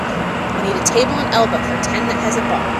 I need a table in Elba for ten that has a bar